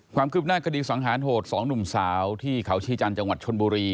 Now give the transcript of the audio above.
ความคืบหน้าคดีสังหารโหดสองหนุ่มสาวที่เขาชีจันทร์จังหวัดชนบุรี